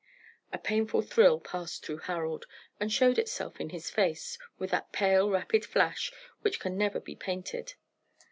A painful thrill passed through Harold, and showed itself in his face with that pale rapid flash which can never be painted.